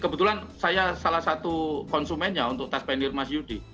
kebetulan saya salah satu konsumennya untuk tas penir mas yudi